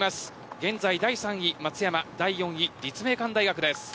現在第３位松山大学第４位立命館大学です。